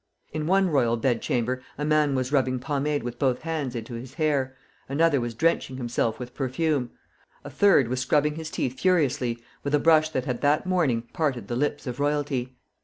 In one royal bed chamber a man was rubbing pomade with both hands into his hair, another was drenching himself with perfume, a third was scrubbing his teeth furiously with a brush that had that morning parted the lips of royalty.